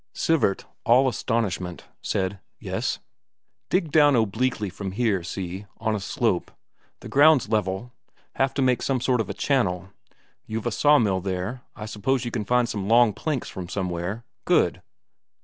Sivert, all astonishment, said "Yes." "Dig down obliquely from here, see? on a slope. The ground's level; have to make some sort of a channel. You've a sawmill there I suppose you can find some long planks from somewhere? Good!